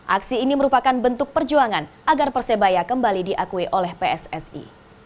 aksi ini merupakan bentuk perjuangan agar persebaya kembali diakui oleh pssi